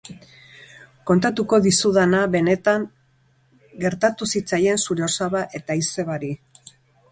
Kontatuko dizudana benetan gertatu zitzaien zure osaba eta izebari.